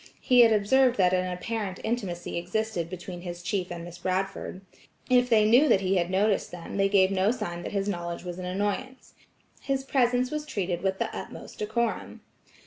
He had observed that an apparent intimacy existed between his chief and Miss Bradford. If they knew that he had noticed them they gave no sign that his knowledge was an annoyance. His presence was treated with the utmost decorum.